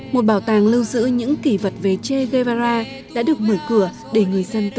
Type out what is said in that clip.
một bảo tàng lưu giữ những kỷ vật về che guevara đã được mở cửa để người dân tự do tới thăm